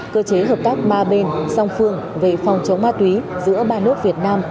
cơ chế hợp tác ba bên song phương về phòng chống ma túy giữa ba nước việt nam